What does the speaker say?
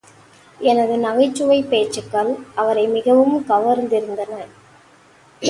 எனது நகைச்சுவைப் பேச்சுகள் அவரை மிகவும் கவர்ந்திருந்தன.